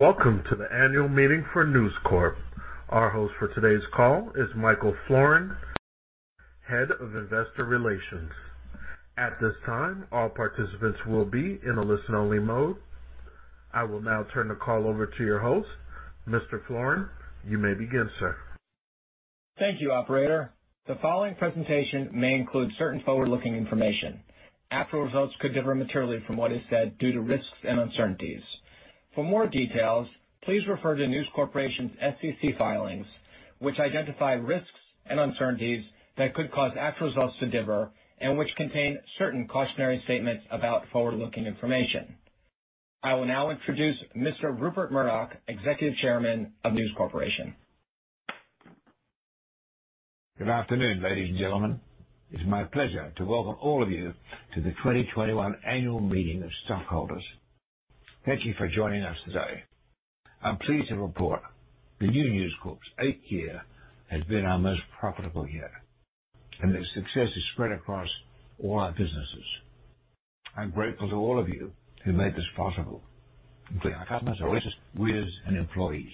Welcome to the annual meeting for News Corp. Our host for today's call is Michael Florin, Head of Investor Relations. At this time, all participants will be in a listen-only mode. I will now turn the call over to your host. Mr. Florin, you may begin, sir. Thank you, operator. The following presentation may include certain forward-looking information. Actual results could differ materially from what is said due to risks and uncertainties. For more details, please refer to News Corporation's SEC filings, which identify risks and uncertainties that could cause actual results to differ and which contain certain cautionary statements about forward-looking information. I will now introduce Mr. Rupert Murdoch, Executive Chairman of News Corporation. Good afternoon, ladies and gentlemen. It's my pleasure to welcome all of you to the 2021 annual meeting of stockholders. Thank you for joining us today. I'm pleased to report News Corp's eighth year has been our most profitable year, and the success is spread across all our businesses. I'm grateful to all of you who made this possible, including our customers, our readers, viewers, and employees.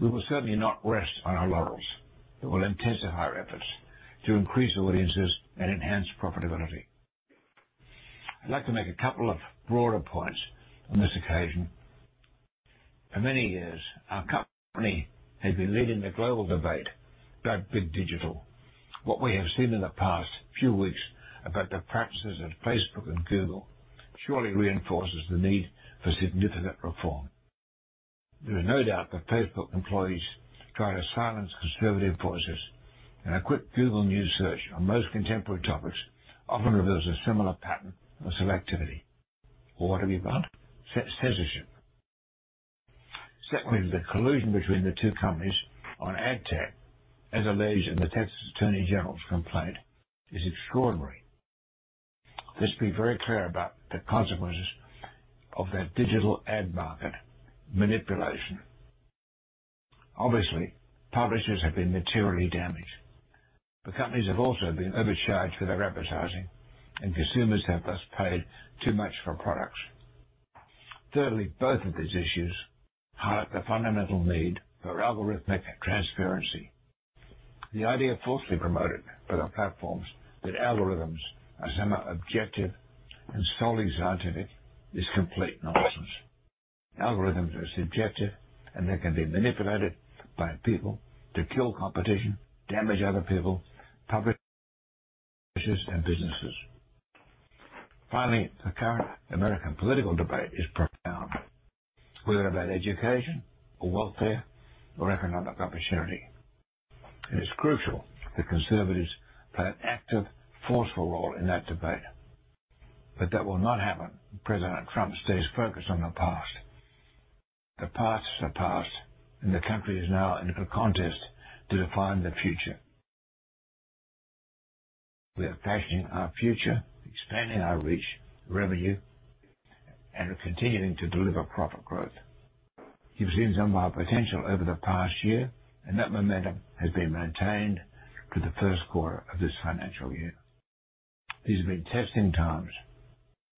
We will certainly not rest on our laurels. We will intensify our efforts to increase audiences and enhance profitability. I'd like to make a couple of broader points on this occasion. For many years, our company has been leading the global debate about big digital. What we have seen in the past few weeks about the practices of Facebook and Google surely reinforces the need for significant reform. There is no doubt that Facebook employees try to silence conservative voices, and a quick Google News search on most contemporary topics often reveals a similar pattern of selectivity. What have we got? Censorship. Secondly, the collusion between the two companies on ad tech, as alleged in the Texas Attorney General's complaint, is extraordinary. Let's be very clear about the consequences of that digital ad market manipulation. Obviously, publishers have been materially damaged. The companies have also been overcharged for their advertising, and consumers have thus paid too much for products. Thirdly, both of these issues highlight the fundamental need for algorithmic transparency. The idea falsely promoted by the platforms that algorithms are somehow objective and solely scientific is complete nonsense. Algorithms are subjective, and they can be manipulated by people to kill competition, damage other people, publishers and businesses. Finally, the current American political debate is profound, whether about education or welfare or economic opportunity. It is crucial that conservatives play an active, forceful role in that debate. But that will not happen if President Trump stays focused on the past. The past is the past, and the country is now in a contest to define the future. We are fashioning our future, expanding our reach, revenue, and continuing to deliver profit growth. You've seen some of our potential over the past year, and that momentum has been maintained through the first quarter of this financial year. These have been testing times,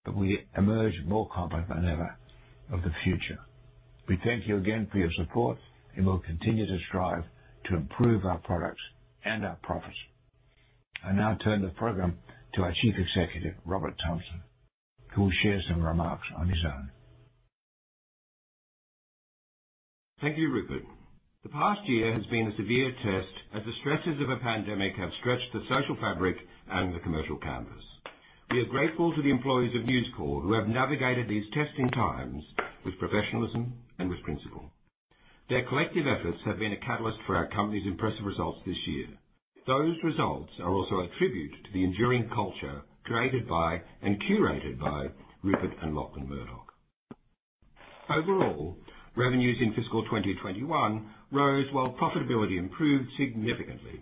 but we emerge more confident than ever of the future. We thank you again for your support, and we'll continue to strive to improve our products and our profits. I now turn the program to our Chief Executive, Robert Thomson, who will share some remarks on his own. Thank you, Rupert. The past year has been a severe test as the stresses of a pandemic have stretched the social fabric and the commercial canvas. We are grateful to the employees of News Corp who have navigated these testing times with professionalism and with principle. Their collective efforts have been a catalyst for our company's impressive results this year. Those results are also a tribute to the enduring culture created by and curated by Rupert and Lachlan Murdoch. Overall, revenues in fiscal 2021 rose while profitability improved significantly.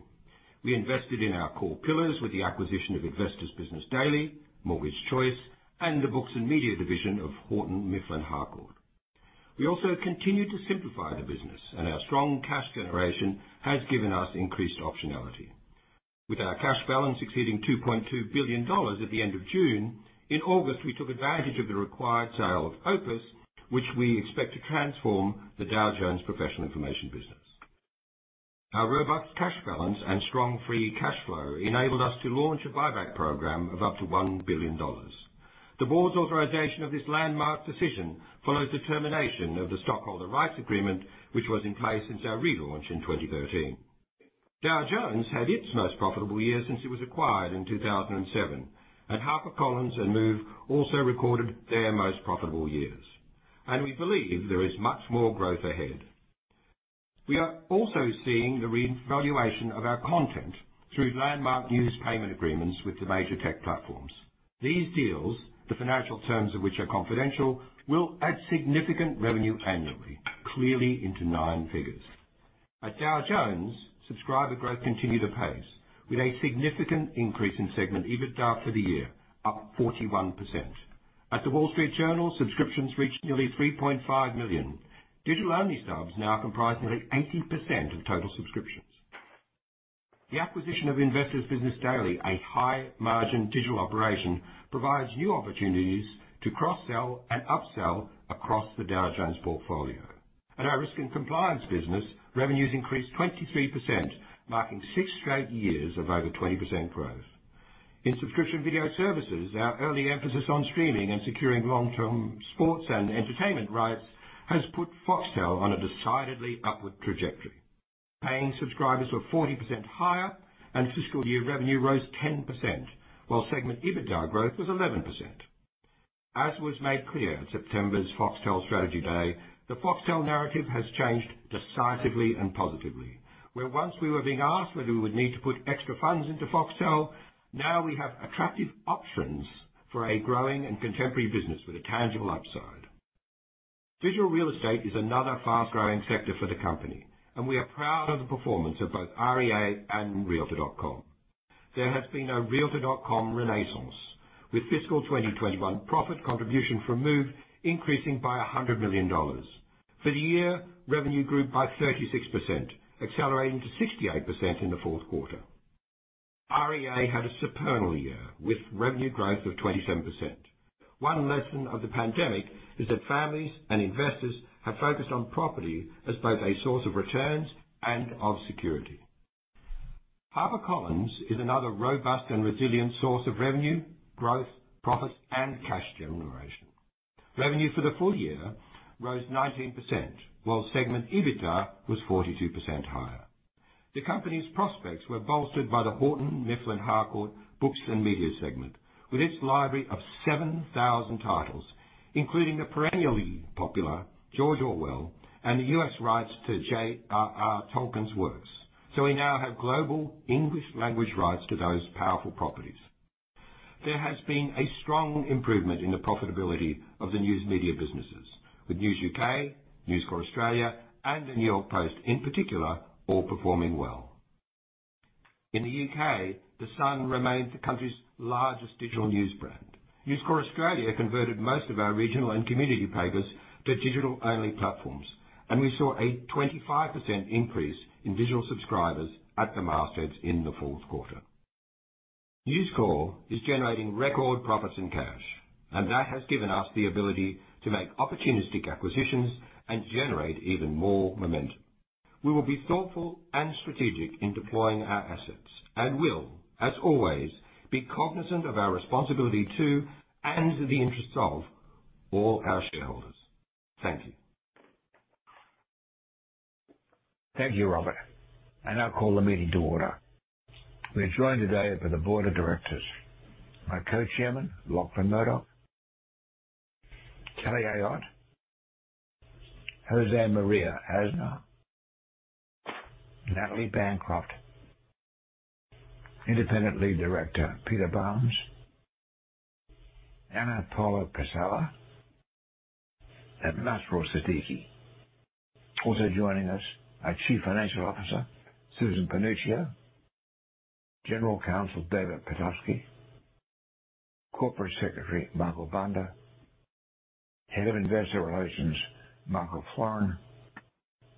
We invested in our core pillars with the acquisition of Investor's Business Daily, Mortgage Choice, and the Books and Media division of Houghton Mifflin Harcourt. We also continued to simplify the business, and our strong cash generation has given us increased optionality. With our cash balance exceeding $2.2 billion at the end of June, in August, we took advantage of the required sale of OPIS, which we expect to transform the Dow Jones professional information business. Our robust cash balance and strong free cash flow enabled us to launch a buyback program of up to $1 billion. The board's authorization of this landmark decision follows the termination of the stockholder rights agreement, which was in place since our relaunch in 2013. Dow Jones had its most profitable year since it was acquired in 2007, and HarperCollins and Move also recorded their most profitable years. We believe there is much more growth ahead. We are also seeing the reevaluation of our content through landmark news payment agreements with the major tech platforms. These deals, the financial terms of which are confidential, will add significant revenue annually, clearly into nine figures. At Dow Jones, subscriber growth continued apace with a significant increase in segment EBITDA for the year, up 41%. At The Wall Street Journal, subscriptions reached nearly 3.5 million. Digital-only subs now comprise nearly 80% of total subscriptions. The acquisition of Investor's Business Daily, a high-margin digital operation, provides new opportunities to cross-sell and upsell across the Dow Jones portfolio. At our risk and compliance business, revenues increased 23%, marking six straight years of over 20% growth. In subscription video services, our early emphasis on streaming and securing long-term sports and entertainment rights has put Foxtel on a decidedly upward trajectory. Paying subscribers were 40% higher, and fiscal year revenue rose 10%, while segment EBITDA growth was 11%. As was made clear at September's Foxtel Strategy Day, the Foxtel narrative has changed decisively and positively. Where once we were being asked whether we would need to put extra funds into Foxtel, now we have attractive options for a growing and contemporary business with a tangible upside. Digital real estate is another fast-growing sector for the company, and we are proud of the performance of both REA and Realtor.com. There has been a Realtor.com renaissance, with fiscal 2021 profit contribution from Move increasing by $100 million. For the year, revenue grew by 36%, accelerating to 68% in the fourth quarter. REA had a stellar year, with revenue growth of 27%. One lesson of the pandemic is that families and investors have focused on property as both a source of returns and of security. HarperCollins is another robust and resilient source of revenue, growth, profits, and cash generation. Revenue for the full year rose 19%, while segment EBITDA was 42% higher. The company's prospects were bolstered by the Houghton Mifflin Harcourt Books and Media segment, with its library of 7,000 titles, including the perennially popular George Orwell and the U.S. rights to J.R.R. Tolkien's works. We now have global English language rights to those powerful properties. There has been a strong improvement in the profitability of the news media businesses, with News U.K., News Corp Australia, and the New York Post, in particular, all performing well. In the U.K., The Sun remains the country's largest digital news brand. News Corp Australia converted most of our regional and community papers to digital-only platforms, and we saw a 25% increase in digital subscribers at the mastheads in the fourth quarter. News Corp is generating record profits in cash, and that has given us the ability to make opportunistic acquisitions and generate even more momentum. We will be thoughtful and strategic in deploying our assets and will, as always, be cognizant of our responsibility to, and the interest of, all our shareholders. Thank you. Thank you, Robert. I now call the meeting to order. We are joined today by the board of directors, my co-chairman, Lachlan Murdoch, Kelly Ayotte, José María Aznar, Natalie Bancroft, Independent Lead Director, Peter Barnes, Ana Paula Pessoa, and Masroor Siddiqui. Also joining us, our Chief Financial Officer, Susan Panuccio, General Counsel, David Pitofsky, Corporate Secretary, Michael Bunder, Head of Investor Relations, Michael Florin,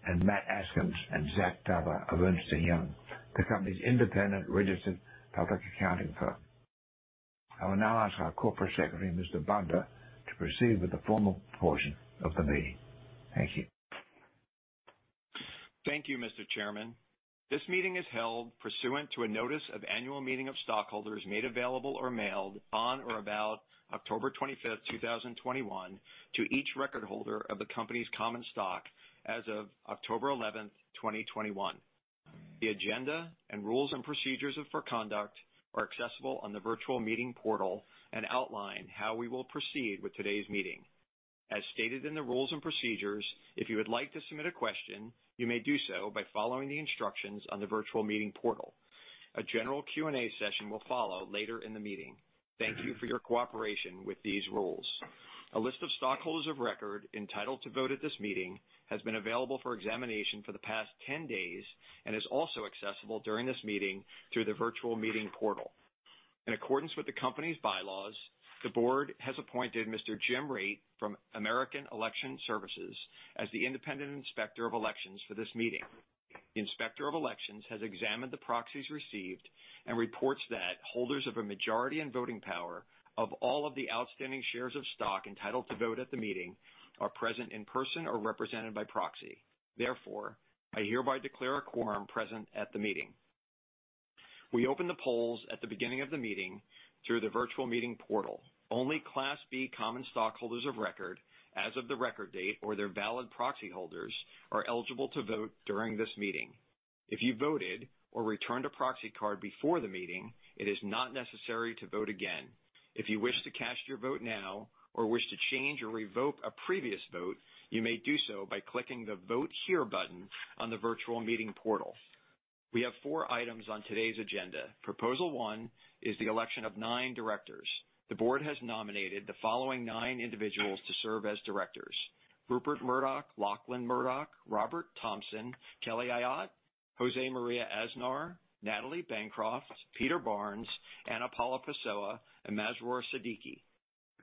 and Matt Askins and Zach Taber of Ernst & Young, the company's independent registered public accounting firm. I will now ask our corporate secretary, Mr. Bunder, to proceed with the formal portion of the meeting. Thank you. Thank you, Mr. Chairman. This meeting is held pursuant to a notice of annual meeting of stockholders made available or mailed on or about October 25, 2021, to each record holder of the company's common stock as of October 11, 2021. The agenda and rules and procedures for conduct are accessible on the virtual meeting portal and outline how we will proceed with today's meeting. As stated in the rules and procedures, if you would like to submit a question, you may do so by following the instructions on the virtual meeting portal. A general Q&A session will follow later in the meeting. Thank you for your cooperation with these rules. A list of stockholders of record entitled to vote at this meeting has been available for examination for the past 10 days and is also accessible during this meeting through the virtual meeting portal. In accordance with the company's bylaws, the board has appointed Mr. Jim Raitt from American Election Services as the independent inspector of elections for this meeting. The Inspector of Elections has examined the proxies received and reports that holders of a majority in voting power of all of the outstanding shares of stock entitled to vote at the meeting are present in person or represented by proxy. Therefore, I hereby declare a quorum present at the meeting. We open the polls at the beginning of the meeting through the virtual meeting portal. Only Class B common stockholders of record as of the record date or their valid proxy holders are eligible to vote during this meeting. If you voted or returned a proxy card before the meeting, it is not necessary to vote again. If you wish to cast your vote now or wish to change or revoke a previous vote, you may do so by clicking the Vote Here button on the virtual meeting portal. We have four items on today's agenda. Proposal one is the election of nine directors. The board has nominated the following nine individuals to serve as directors: Rupert Murdoch, Lachlan Murdoch, Robert Thomson, Kelly Ayotte, José María Aznar, Natalie Bancroft, Peter Barnes, Ana Paula Pessoa, and Masroor Siddiqui.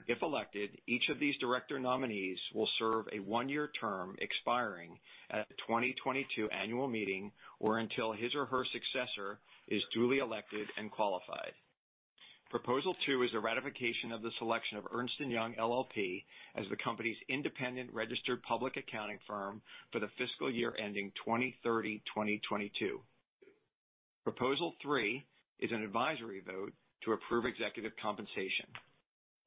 If elected, each of these director nominees will serve a one-year term expiring at the 2022 annual meeting, or until his or her successor is duly elected and qualified. Proposal two is a ratification of the selection of Ernst & Young LLP as the company's independent registered public accounting firm for the fiscal year ending June 30, 2022. Proposal three is an advisory vote to approve executive compensation.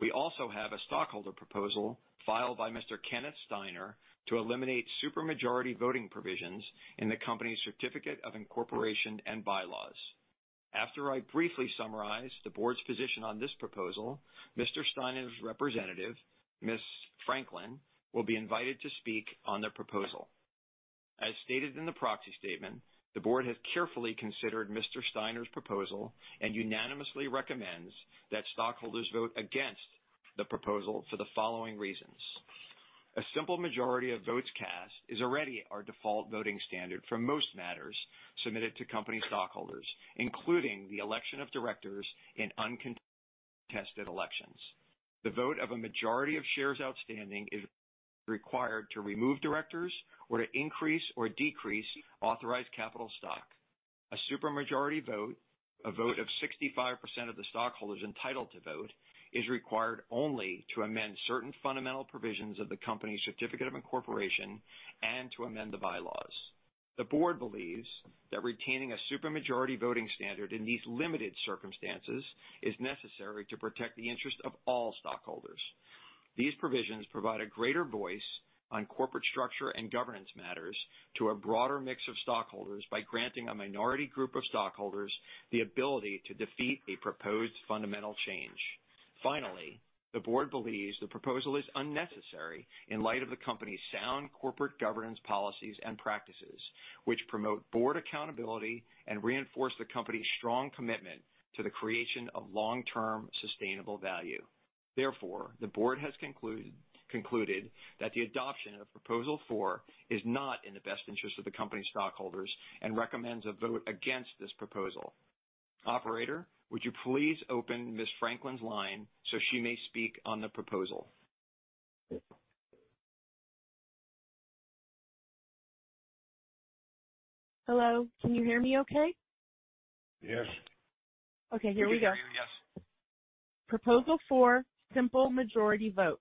We also have a stockholder proposal filed by Mr. Kenneth Steiner to eliminate supermajority voting provisions in the company's certificate of incorporation and bylaws. After I briefly summarize the board's position on this proposal, Mr. Steiner's representative, Ms. Franklin, will be invited to speak on the proposal. As stated in the proxy statement, the board has carefully considered Mr. Steiner's proposal and unanimously recommends that stockholders vote against the proposal for the following reasons. A simple majority of votes cast is already our default voting standard for most matters submitted to company stockholders, including the election of directors in uncontested elections. The vote of a majority of shares outstanding is required to remove directors or to increase or decrease authorized capital stock. A supermajority vote, a vote of 65% of the stockholders entitled to vote, is required only to amend certain fundamental provisions of the company's certificate of incorporation and to amend the bylaws. The board believes that retaining a supermajority voting standard in these limited circumstances is necessary to protect the interest of all stockholders. These provisions provide a greater voice on corporate structure and governance matters to a broader mix of stockholders by granting a minority group of stockholders the ability to defeat a proposed fundamental change. Finally, the board believes the proposal is unnecessary in light of the company's sound corporate governance policies and practices, which promote board accountability and reinforce the company's strong commitment to the creation of long-term sustainable value. Therefore, the board has concluded that the adoption of Proposal Four is not in the best interest of the company stockholders and recommends a vote against this proposal. Operator, would you please open Ms. Franklin's line so she may speak on the proposal? Hello. Can you hear me okay? Yes. Okay, here we go. We can hear you, yes. Proposal Four: Simple Majority Vote.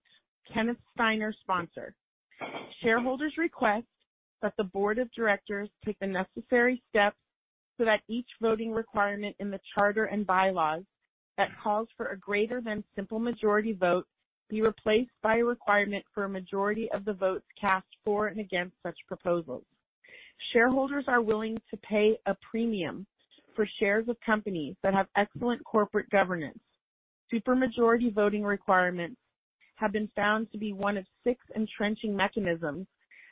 Kenneth Steiner, Sponsor. Shareholders request that the board of directors take the necessary steps so that each voting requirement in the charter and bylaws that calls for a greater than simple majority vote be replaced by a requirement for a majority of the votes cast for and against such proposals. Shareholders are willing to pay a premium for shares of companies that have excellent corporate governance. Supermajority voting requirements have been found to be one of six entrenching mechanisms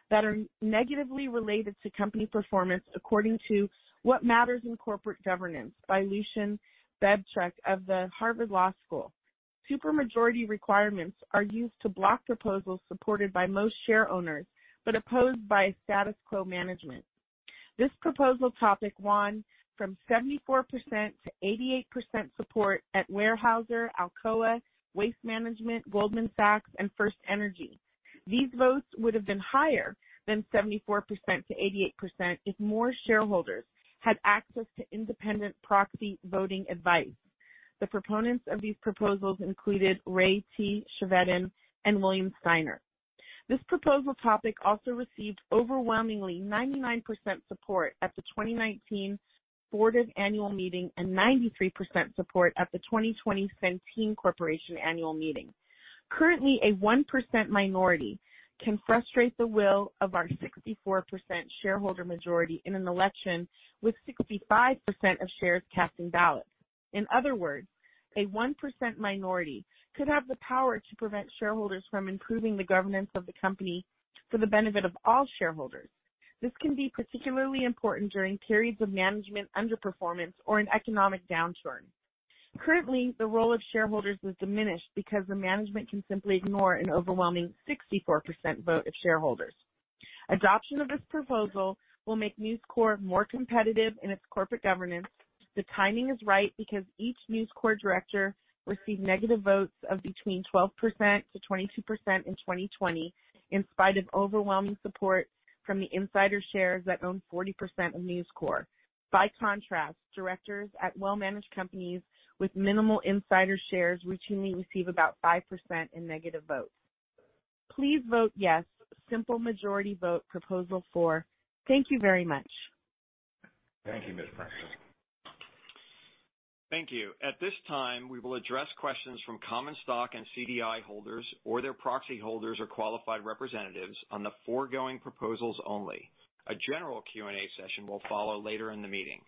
that are negatively related to company performance, according to What Matters in Corporate Governance by Lucian Bebchuk of the Harvard Law School. Supermajority requirements are used to block proposals supported by most shareowners, but opposed by status quo management. This proposal topic won 74%-88% support at Weyerhaeuser, Alcoa, Waste Management, Goldman Sachs and FirstEnergy. These votes would have been higher than 74%-88% if more shareholders had access to independent proxy voting advice. The proponents of these proposals included Ray T. Chevedden and William Steiner. This proposal topic also received overwhelmingly 99% support at the 2019 Fortive annual meeting and 93% support at the 2020 Centene Corporation annual meeting. Currently, a 1% minority can frustrate the will of our 64% shareholder majority in an election with 65% of shares casting ballots. In other words, a 1% minority could have the power to prevent shareholders from improving the governance of the company for the benefit of all shareholders. This can be particularly important during periods of management underperformance or an economic downturn. Currently, the role of shareholders is diminished because the management can simply ignore an overwhelming 64% vote of shareholders. Adoption of this proposal will make News Corp more competitive in its corporate governance. The timing is right because each News Corp director received negative votes of between 12%-22% in 2020, in spite of overwhelming support from the insider shares that own 40% of News Corp. By contrast, directors at well-managed companies with minimal insider shares routinely receive about 5% in negative votes. Please vote yes. Simple majority vote Proposal Four. Thank you very much. Thank you, Kam Franklin. Thank you. At this time, we will address questions from common stock and CDI holders or their proxy holders or qualified representatives on the foregoing proposals only. A general Q&A session will follow later in the meeting.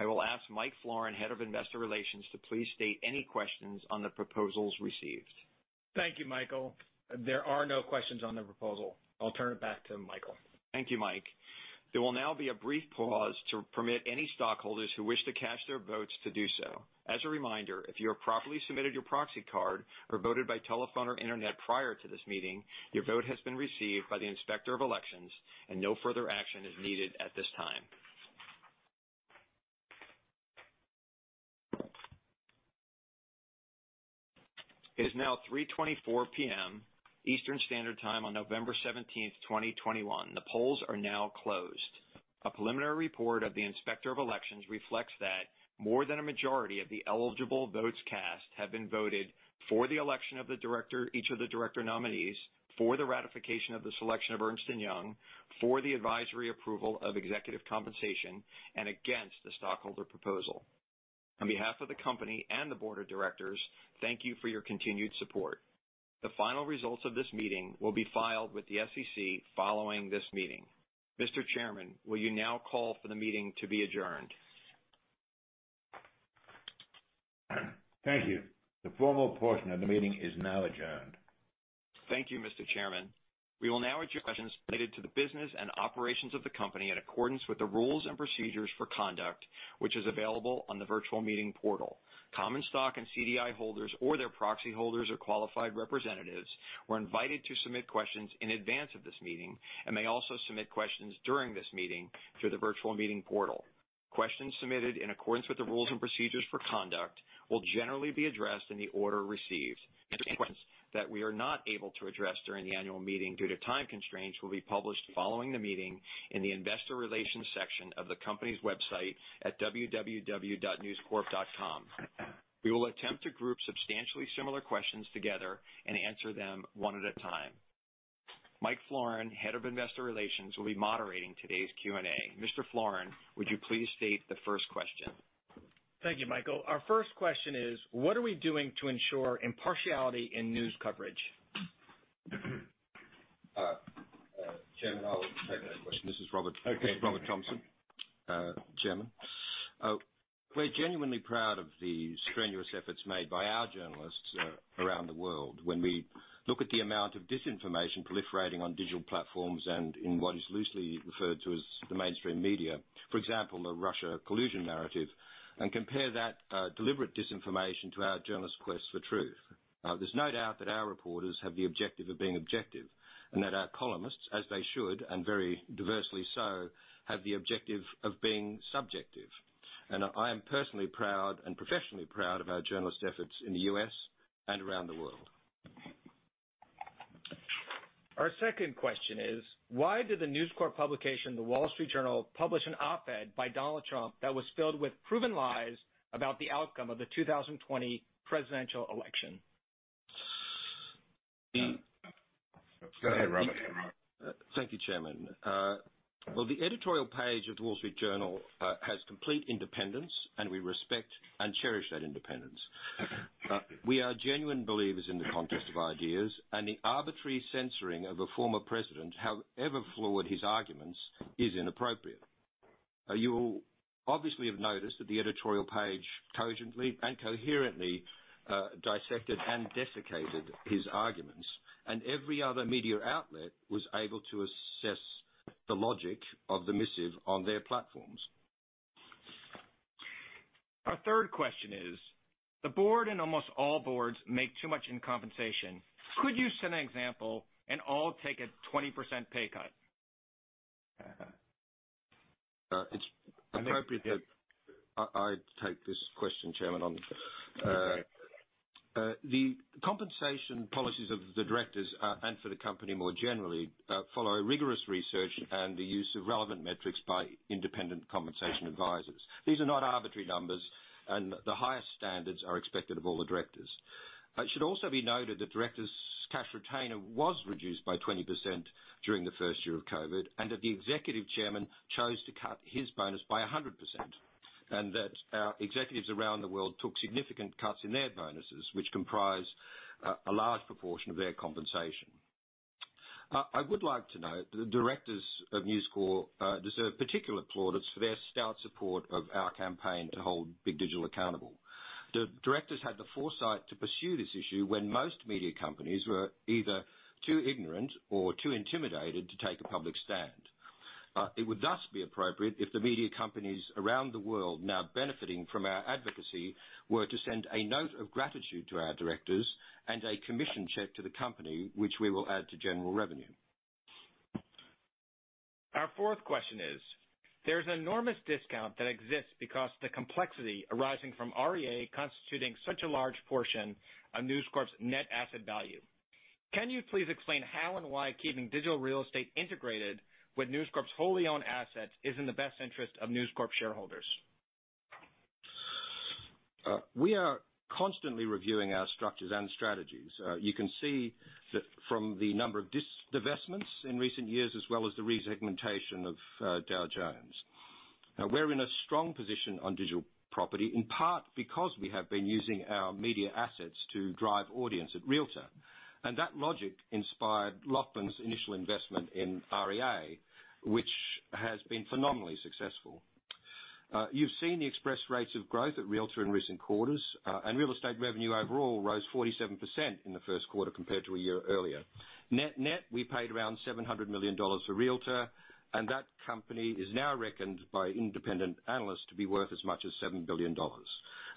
I will ask Michael Florin, Head of Investor Relations, to please state any questions on the proposals received. Thank you, Michael. There are no questions on the proposal. I'll turn it back to Michael. Thank you, Mike. There will now be a brief pause to permit any stockholders who wish to cast their votes to do so. As a reminder, if you have properly submitted your proxy card or voted by telephone or internet prior to this meeting, your vote has been received by the Inspector of Elections and no further action is needed at this time. It is now 3:24 P.M. Eastern Standard Time on November 17, 2021. The polls are now closed. A preliminary report of the Inspector of Elections reflects that more than a majority of the eligible votes cast have been voted for the election of the director, each of the director nominees, for the ratification of the selection of Ernst & Young, for the advisory approval of executive compensation, and against the stockholder proposal. On behalf of the company and the board of directors, thank you for your continued support. The final results of this meeting will be filed with the SEC following this meeting. Mr. Chairman, will you now call for the meeting to be adjourned? Thank you. The formal portion of the meeting is now adjourned. Thank you, Mr. Chairman. We will now address questions related to the business and operations of the company in accordance with the rules and procedures for conduct, which is available on the virtual meeting portal. Common stock and CDI holders, or their proxy holders or qualified representatives, were invited to submit questions in advance of this meeting and may also submit questions during this meeting through the virtual meeting portal. Questions submitted in accordance with the rules and procedures for conduct will generally be addressed in the order received. Questions that we are not able to address during the annual meeting due to time constraints will be published following the meeting in the investor relations section of the company's website at www.newscorp.com. We will attempt to group substantially similar questions together and answer them one at a time. Michael Florin, Head of Investor Relations, will be moderating today's Q&A. Mr. Florin, would you please state the first question? Thank you, Michael. Our first question is: What are we doing to ensure impartiality in news coverage? Chairman, I'll take that question. This is Robert. Okay. This is Robert Thomson, Chairman. We're genuinely proud of the strenuous efforts made by our journalists around the world when we look at the amount of disinformation proliferating on digital platforms and in what is loosely referred to as the mainstream media, for example, the Russia collusion narrative, and compare that deliberate disinformation to our journalists' quest for truth. There's no doubt that our reporters have the objective of being objective, and that our columnists, as they should, and very diversely so, have the objective of being subjective. I am personally proud and professionally proud of our journalists' efforts in the U.S. and around the world. Our second question is: Why did the News Corp publication, The Wall Street Journal, publish an op-ed by Donald Trump that was filled with proven lies about the outcome of the 2020 presidential election? Go ahead, Robert. Thank you, Chairman. Well, the editorial page of The Wall Street Journal has complete independence, and we respect and cherish that independence. We are genuine believers in the contest of ideas and the arbitrary censoring of a former president, however flawed his arguments, is inappropriate. You will obviously have noticed that the editorial page cogently and coherently dissected and desiccated his arguments, and every other media outlet was able to assess the logic of the missive on their platforms. Our third question is: The board and almost all boards make too much in compensation. Could you set an example and all take a 20% pay cut? It's appropriate that I take this question, Chairman, on the compensation policies of the directors and for the company more generally, follow rigorous research and the use of relevant metrics by independent compensation advisors. These are not arbitrary numbers, and the highest standards are expected of all the directors. It should also be noted that directors' cash retainer was reduced by 20% during the first year of COVID, and that the Executive Chairman chose to cut his bonus by 100%, and that our executives around the world took significant cuts in their bonuses, which comprise a large proportion of their compensation. I would like to note the directors of News Corp deserve particular plaudits for their stout support of our campaign to hold Big Digital accountable. The directors had the foresight to pursue this issue when most media companies were either too ignorant or too intimidated to take a public stand. It would thus be appropriate if the media companies around the world now benefiting from our advocacy were to send a note of gratitude to our directors and a commission check to the company, which we will add to general revenue. Our fourth question is: There's enormous discount that exists because the complexity arising from REA constituting such a large portion of News Corp's net asset value. Can you please explain how and why keeping digital real estate integrated with News Corp's wholly owned assets is in the best interest of News Corp shareholders? We are constantly reviewing our structures and strategies. You can see that from the number of divestments in recent years, as well as the resegmentation of Dow Jones. We're in a strong position on digital property, in part because we have been using our media assets to drive audience at Realtor. That logic inspired Lachlan's initial investment in REA, which has been phenomenally successful. You've seen the impressive rates of growth at Realtor in recent quarters, and real estate revenue overall rose 47% in the first quarter compared to a year earlier. Net-net, we paid around $700 million for Realtor, and that company is now reckoned by independent analysts to be worth as much as $7 billion.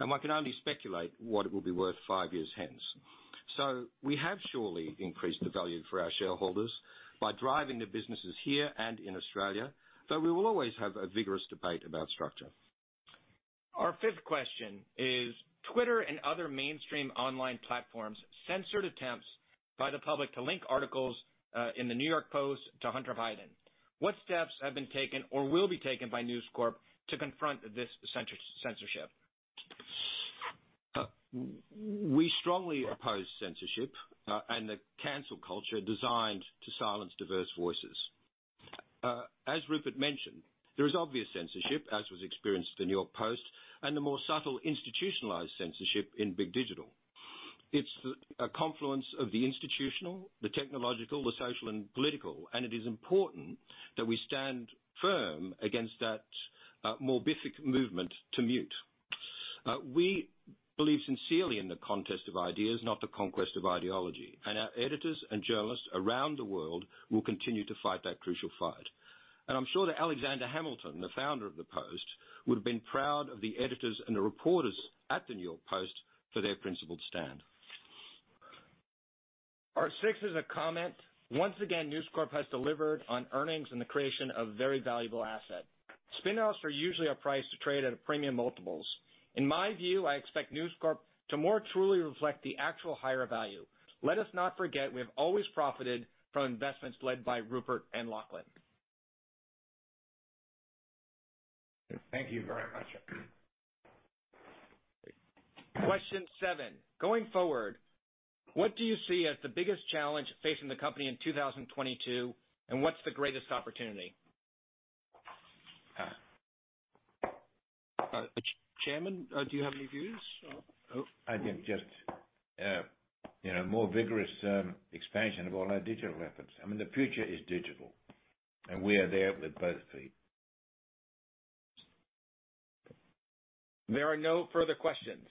One can only speculate what it will be worth five years hence. We have surely increased the value for our shareholders by driving the businesses here and in Australia, but we will always have a vigorous debate about structure. Our fifth question is, Twitter and other mainstream online platforms censored attempts by the public to link articles in the New York Post to Hunter Biden. What steps have been taken or will be taken by News Corp to confront this censorship? We strongly oppose censorship, and the cancel culture designed to silence diverse voices. As Rupert mentioned, there is obvious censorship as was experienced in New York Post and the more subtle institutionalized censorship in big digital. It's a confluence of the institutional, the technological, the social and political, and it is important that we stand firm against that, morbific movement to mute. We believe sincerely in the contest of ideas, not the conquest of ideology. Our editors and journalists around the world will continue to fight that crucial fight. I'm sure that Alexander Hamilton, the founder of the Post, would have been proud of the editors and the reporters at the New York Post for their principled stand. Our sixth is a comment. Once again, News Corp has delivered on earnings and the creation of very valuable asset. Spin-offs are usually a price to trade at a premium multiples. In my view, I expect News Corp to more truly reflect the actual higher value. Let us not forget, we have always profited from investments led by Rupert and Lachlan. Thank you very much. Question seven. Going forward, what do you see as the biggest challenge facing the company in 2022, and what's the greatest opportunity? Chairman, do you have any views? Oh. I think just, you know, more vigorous expansion of all our digital efforts. I mean, the future is digital, and we are there with both feet. There are no further questions.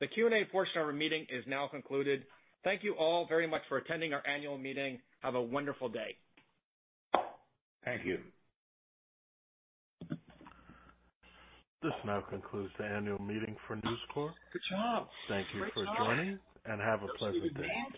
The Q&A portion of our meeting is now concluded. Thank you all very much for attending our annual meeting. Have a wonderful day. Thank you. This now concludes the annual meeting for News Corp. Good job. Great job. Thank you for joining, and have a pleasant day.